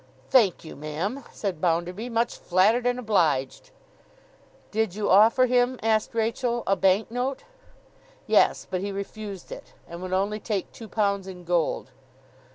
'Thank you, ma'am,' said Bounderby. 'Much flattered and obliged.' 'Did you offer him,' asked Rachael, 'a bank note?' 'Yes; but he refused it, and would only take two pounds in gold.